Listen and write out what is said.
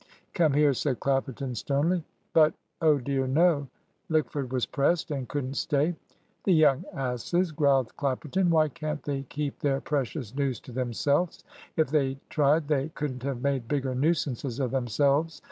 "Come here," said Clapperton, sternly. But, oh dear no; Lickford was pressed, and couldn't stay. "The young asses!" growled Clapperton. "Why can't they keep their precious news to themselves? If they'd tried, they couldn't have made bigger nuisances of themselves.